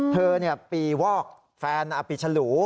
ปีวอกแฟนปีฉลู